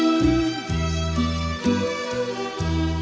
คนไทยรักชาและศาสนาชาติองเจ้าภูทรงเพียงเหนือนาวุ่น